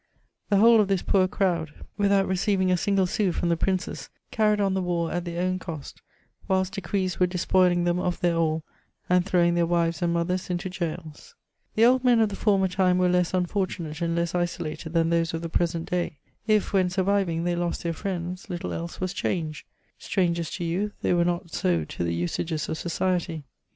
The whole of this poor crowd, without CHATEAUBRIAm). 343 leceiying & single sou from die piinees, carried on the war at tlieir own cost, whilst decrees weie desp^ng them of tfaek all, and throwing their wives and mothers into gaols. The old men of the former time were less mifortnnate and less isolated than those of the present day ; if, when surviying, ikej lost their Mends, little else was changed; strangers to youth, they were not so to the usages of society.